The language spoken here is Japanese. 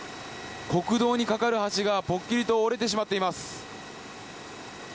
国道にかかる橋がぽっきりと折れてしまっています。